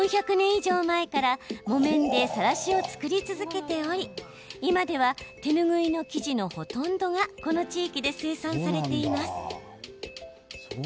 以上前から木綿でさらしを作り続けており今では手ぬぐいの生地のほとんどがこの地域で生産されています。